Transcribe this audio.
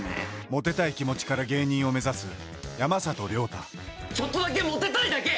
モテたい気持ちから芸人を目指す山里亮太ちょっとだけモテたいだけ！